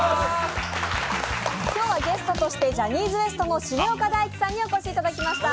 今日はゲストとしてジャニーズＷＥＳＴの重岡大毅さんにお越しいただきました。